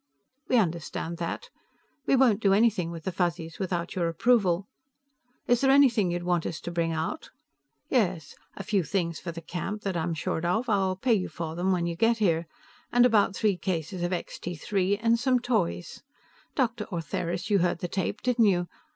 "We understand that. We won't do anything with the Fuzzies without your approval. Is there anything you'd want us to bring out?" "Yes. A few things for the camp that I'm short of; I'll pay you for them when you get here. And about three cases of Extee Three. And some toys. Dr. Ortheris, you heard the tape, didn't you?